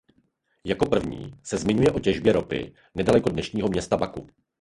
Jako první se zmiňuje o těžbě ropy nedaleko dnešního města Baku.